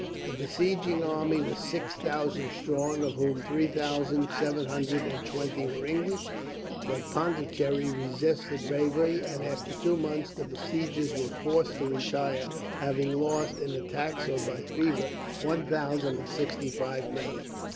The besieging army was six thousand strong; of whom three thousand, seven hundred and twenty were English. But Pondicherry resisted bravely, and after two months the besiegers were forced to retire, having lost, in attacks or by fever, one thousand and sixty five men.